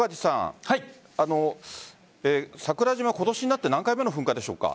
桜島、今年になって何回目の噴火でしょうか？